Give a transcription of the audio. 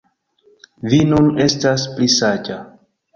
Vi nun estas pli saĝa